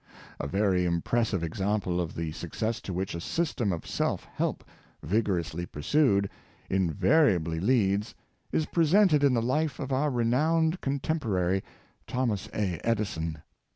A very impressive example of the success to which a system of self help, vigorously pursued, invariably leads, is presented in the Hfe of our renowned contempo rary, Thomas A. Edison.